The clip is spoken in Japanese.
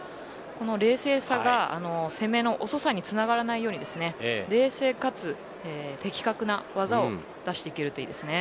この冷静さが攻めの遅さにつながらないように冷静、かつ的確な技を出していけるといいですね。